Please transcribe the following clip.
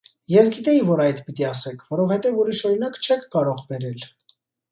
- Ես գիտեի, որ այդ պիտի ասեք, որովհետև ուրիշ օրինակ չեք կարող բերել: